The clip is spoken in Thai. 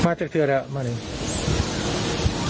มาจากเชื้อแล้วมาอีก